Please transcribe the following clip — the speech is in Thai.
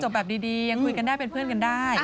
แบบดียังคุยกันได้เป็นเพื่อนกันได้